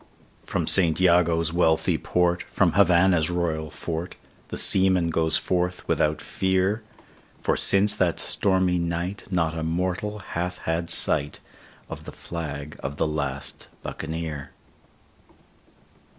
From St Jago's wealthy port, from Havannah's royal fort, The seaman goes forth without fear; For since that stormy night not a mortal hath had sight Of the flag of the last Buccaneer.